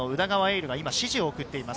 琉が指示を送っています。